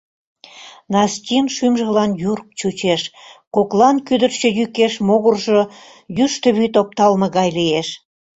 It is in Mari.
Настин шӱмжылан юрк чучеш, коклан кӱдырчӧ йӱкеш могыржо йӱштӧ вӱд опталме гай лиеш.